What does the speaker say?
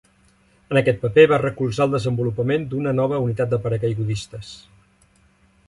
En aquest paper, va recolzar el desenvolupament d'una nova unitat de paracaigudistes.